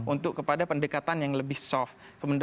untuk kepada pendekatan yang lebih soft